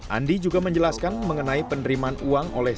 andi juga menjelaskan mengenai penerimaan uang oleh